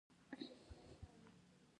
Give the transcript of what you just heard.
د خوست په اسماعیل خیل کې د ګچ نښې شته.